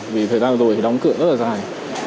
vì thời gian rồi thì đóng cửa rất là dễ dàng